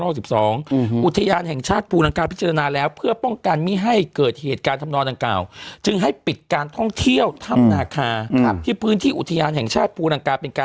คุณเช้าไม่ถึงนะไม่ถึงนะ